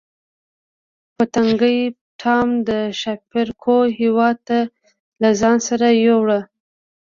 پتنګې ټام د ښاپیرکو هیواد ته له ځان سره یووړ.